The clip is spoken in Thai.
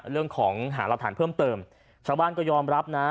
เรื่องของหารักฐานเพิ่มเติมชาวบ้านก็ยอมรับนะ